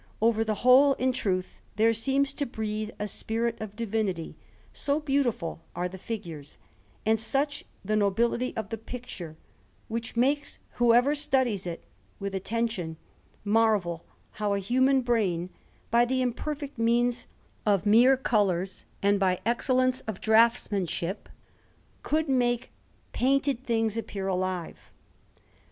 Over the whole, in truth, there seems to breathe a spirit of divinity, so beautiful are the figures, and such the nobility of the picture, which makes whoever studies it with attention marvel how a human brain, by the imperfect means of mere colours, and by excellence of draughtsmanship, could make painted things appear alive.